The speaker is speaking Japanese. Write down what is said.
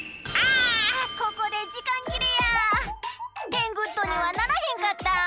テングッドにはならへんかった。